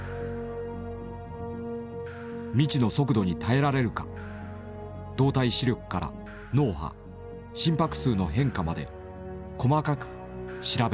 未知の速度に耐えられるか動体視力から脳波心拍数の変化まで細かく調べられた。